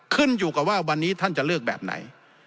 ขึ้นอยู่กับว่าวันนี้ท่านจะเลือกแบบไหน